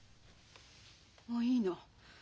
もういいの。